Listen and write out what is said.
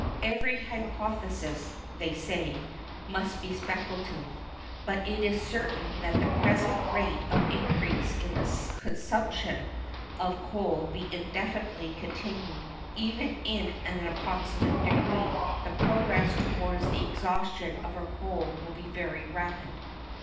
'Every hypothesis,' they say, 'must be speculative, but it is certain that if the present rate of increase in the consumption of coal be indefinitely continued, even in an approximate degree, the progress towards the exhaustion of our coal will be very rapid.